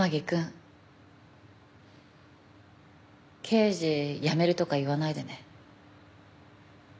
刑事辞めるとか言わないでね。